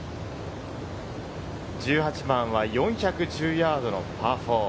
１８番は４１０ヤードのパー４。